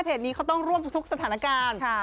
นี้เขาต้องร่วมทุกสถานการณ์